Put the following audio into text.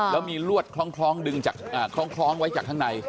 แล้วมีลวดคล้องดึงคล้องไว้จากข้างใน